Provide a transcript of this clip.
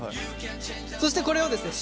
そしてこれをですね